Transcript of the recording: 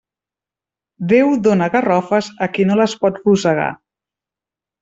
Déu dóna garrofes a qui no les pot rosegar.